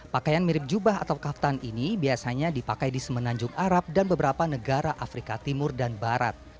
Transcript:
pakaian mirip jubah atau kaftan ini biasanya dipakai di semenanjung arab dan beberapa negara afrika timur dan barat